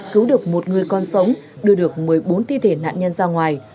cứu được một người con sống đưa được một mươi bốn thi thể nạn nhân ra ngoài